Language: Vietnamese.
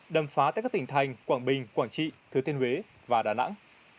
đâm phá tới các tỉnh thành quảng bình quảng trị thừa thiên huế và đà nẵng